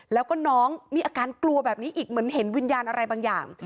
แล้วก็น้องมีอาการกลัวแบบนี้อีกเหมือนเห็นวิญญาณอะไรบางอย่าง